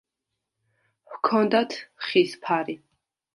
ჰქონდათ ხის ფარი.